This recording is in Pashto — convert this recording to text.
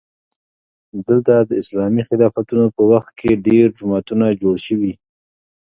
دلته د اسلامي خلافتونو په وخت کې ډېر جوماتونه جوړ شوي.